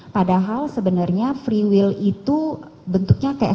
padahal sebenarnya free will itu bentuknya kayak